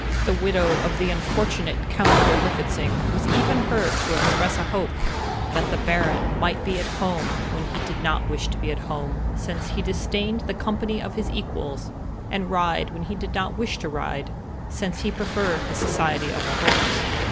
The widow of the unfortunate Count Berlifitzing was even heard to express a hope "that the Baron might be at home when he did not wish to be at home, since he disdained the company of his equals; and ride when he did not wish to ride, since he preferred the society of a horse."